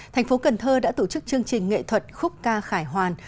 thành phố cần thơ đã tổ chức chương trình nghệ thuật khúc ca khải hoàn